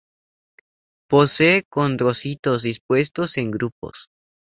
Posee condrocitos dispuestos en grupos.